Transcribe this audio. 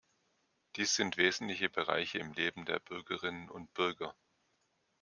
Dies sind wesentliche Bereiche im Leben der Bürgerinnen und Bürger.